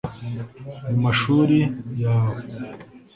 mu mashuri yawe